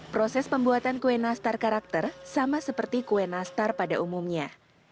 proses pembuatan kue nastar karakter sama seperti kue nastar pada umumnya